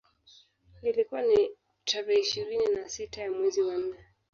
Ilikuwa ni tarehe ishirini na sita ya mwezi wa nne